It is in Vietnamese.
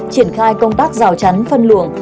triển khai công tác rào chắn phân luộng